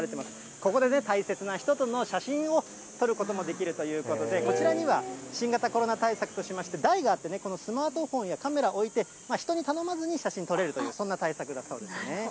ここで大切な人との写真を撮ることもできるということで、こちらには新型コロナ対策としまして、台があってね、このスマートフォンやカメラ置いて、人に頼まずに写真撮れるという、そんな対策だそうですね。